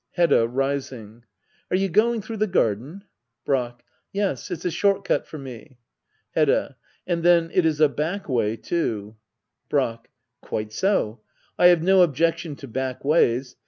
Hedda. [Bising,'] Are you going through the garden } Brack. Yes, it's a short cut for me. Hedda. And then it is a back way, too. Brack. Quite so. I have no objection to back ways.